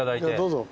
どうぞ。